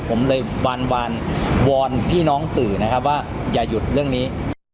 ผมเลยวานวอนพี่น้องสื่อนะครับว่าอย่าหยุดเรื่องนี้